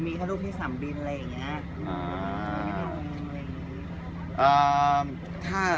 มีแค่รูปที่สำบินอะไรอย่างนี้